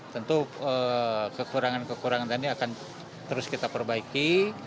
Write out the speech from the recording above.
tentu kekurangan kekurangan tadi akan terus kita perbaiki